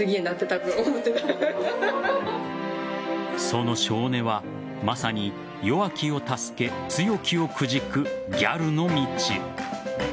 その性根はまさに弱きを助け、強きをくじくギャルの道。